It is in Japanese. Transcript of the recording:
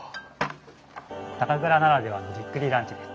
酒蔵ならではのじっくりランチです。